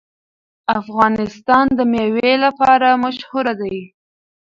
افغانستان د مېوې لپاره مشهور دی.